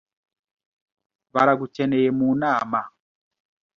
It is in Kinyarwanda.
Baragukeneye mu nama.